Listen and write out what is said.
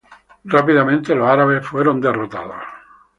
Rápidamente los árabes fueron derrotados.